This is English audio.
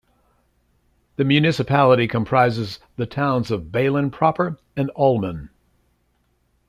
The municipality comprises the towns of Balen proper and Olmen.